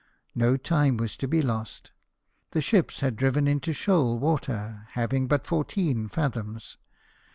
No time was to be lost ; the ships had driven into shoal water, having but fourteen fathoms.